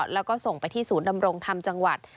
แล้วก็ส่งไปที่ศูนย์ดำรงธรรมจังหวัด